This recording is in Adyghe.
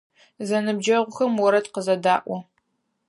Зэныбджэгъухэм орэд къызэдаӏо.